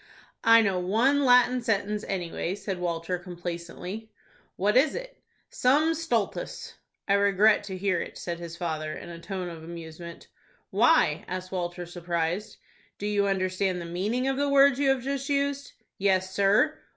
"I know one Latin sentence, anyway," said Walter, complacently. "What is it?" "Sum stultus." "I regret to hear it," said his father, in a tone of amusement. "Why?" asked Walter, surprised. "Do you understand the meaning of the words you have just used?" "Yes, sir."